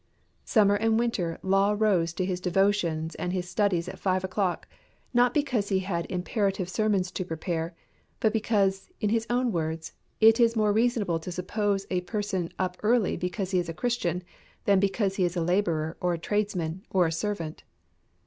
Summer and winter Law rose to his devotions and his studies at five o'clock, not because he had imperative sermons to prepare, but because, in his own words, it is more reasonable to suppose a person up early because he is a Christian than because he is a labourer or a tradesman or a servant.